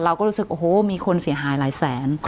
เราก็รู้สึกโอ้โหมีคนเสียหายหลายแสน